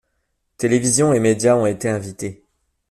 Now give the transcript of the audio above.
Télévision et médias ont été invités.